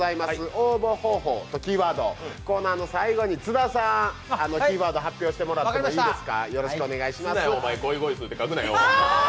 応募方法とキーワード、コーナーの最後に津田さん、キーワード発表してもらっていいですか。